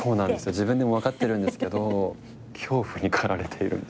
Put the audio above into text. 自分でも分かってるんですけど恐怖に駆られているんですよね。